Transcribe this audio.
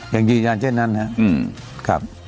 อย่างยืนยันเช่นนั้นครับ